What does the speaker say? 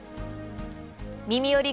「みみより！